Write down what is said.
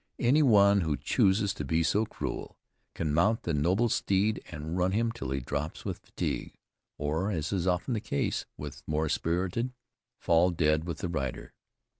Any one who chooses to be so cruel, can mount the noble steed and run him 'till he drops with fatigue, or, as is often the case with more spirited, fall dead with the rider.